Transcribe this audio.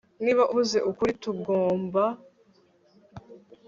niba uvuze ukuri, ntugomba kwibuka ikintu na kimwe